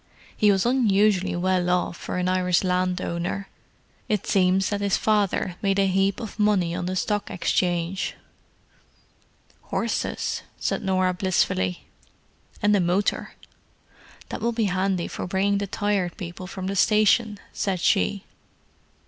He was unusually well off for an Irish landowner; it seems that his father made a heap of money on the Stock Exchange." "Horses!" said Norah blissfully. "And a motor." "That will be handy for bringing the Tired People from the station," said she.